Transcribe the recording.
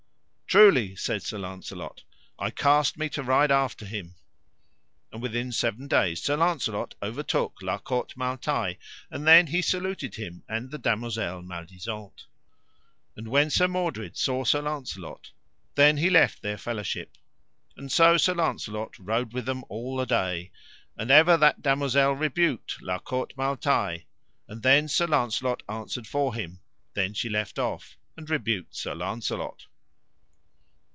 Truly, said Sir Launcelot, I cast me to ride after him. And within seven days Sir Launcelot overtook La Cote Male Taile, and then he saluted him and the damosel Maledisant. And when Sir Mordred saw Sir Launcelot, then he left their fellowship; and so Sir Launcelot rode with them all a day, and ever that damosel rebuked La Cote Male Taile; and then Sir Launcelot answered for him, then she left off, and rebuked Sir Launcelot.